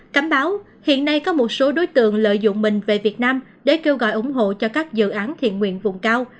cảnh báo hiện nay có một số đối tượng lợi dụng mình về việt nam để kêu gọi ủng hộ cho các dự án thiện nguyện vùng cao